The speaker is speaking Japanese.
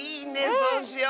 そうしよう！